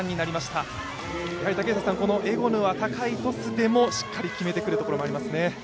エゴヌは高いトスでもしっかり決めてくるところがありますね。